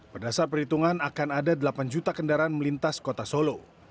berdasar perhitungan akan ada delapan juta kendaraan melintas kota solo